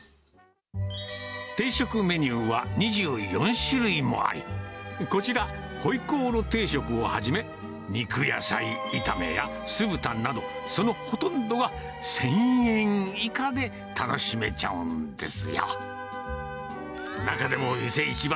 定食メニューは２４種類もあり、こちら、ホイコーロー定食をはじめ、肉野菜炒めや酢豚など、そのほとんどが１０００円以下で楽しめちゃうんですよ。